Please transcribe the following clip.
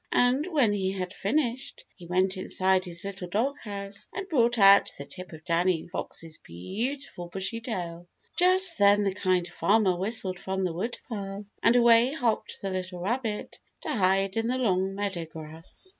And when he had finished, he went inside his little doghouse and brought out the tip of Danny Fox's beautiful bushy tail. Just then the Kind Farmer whistled from the woodpile, and away hopped the little rabbit to hide in the long meadow grass.